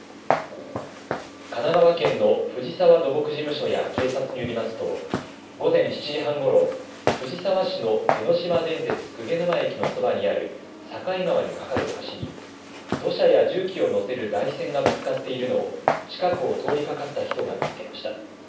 神奈川県の藤沢土木事務所や警察によりますと午前７時半ごろ、藤沢市の江ノ島電鉄鵠沼駅のそばにある境川に架かる橋に土砂や重機を載せる台船がぶつかっているのを近くを通りかかった人が見つけました。